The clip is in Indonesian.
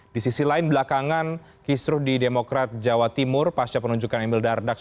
di sisi lain belakangan kistruh di demokrat jawa timur pasca penunjukkan emil dardaks